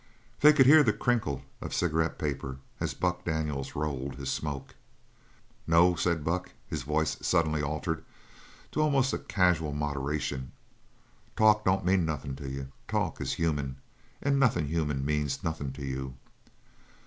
They could hear the crinkle of the cigarette paper as Buck rolled his smoke. "No," said Buck, his voice suddenly altered to an almost casual moderation, "talk don't mean nothin' to you. Talk is human, and nothin' human means nothin' to you.